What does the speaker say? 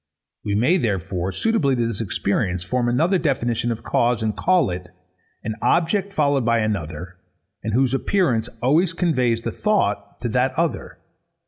We may, therefore, suitably to this experience, form another definition of cause, and call it, _an object followed by another, and whose appearance always conveys the thought to that other.